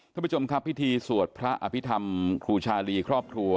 ท่านผู้ชมครับพิธีสวดพระอภิษฐรรมครูชาลีครอบครัว